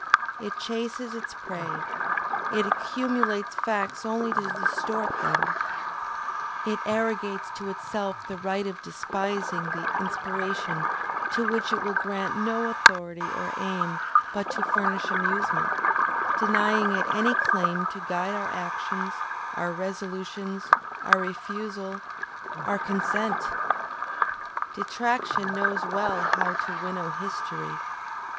It chases its prey, it accumulates facts only to distort them, it arrogates to itself the right of despising the inspiration to which it will grant no authority or aim but to furnish amusement, denying it any claim to guide our actions, our resolutions, our refusal, our consent! Detraction knows well how to winnow history!